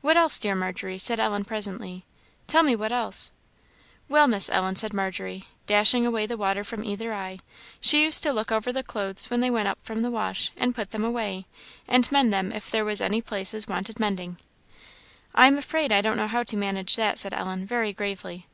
"What else, dear Margery?" said Ellen presently. "Tell me what else?" "Well, Miss Ellen," said Margery, dashing away the water from either eye, "she used to look over the clothes when they went up from the wash; and put them away; and mend them if there was any places wanted mending." "I am afraid I don't know how to manage that," said Ellen, very gravely.